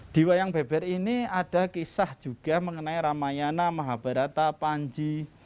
di wayang beber ini ada kisah juga mengenai ramayana mahabharata panji